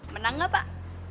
menang gak pak